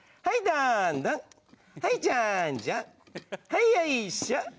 はいよいしょ。